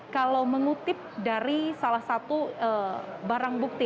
kalau mengutip dari salah satu barang bukti